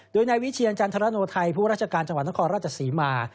โดยนายวิเชียรจันทรโนไทยผู้ราชการจังหวัดนครราชศรีมา